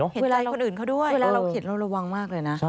เห็นใจคนอื่นเข้าด้วย